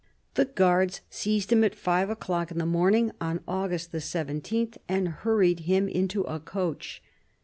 The guards seized him at five o'clock in the morning of August 17 and hurried him into a coach.